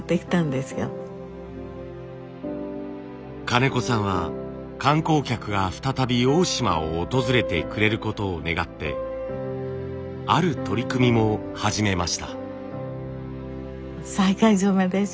金子さんは観光客が再び大島を訪れてくれることを願ってある取り組みも始めました。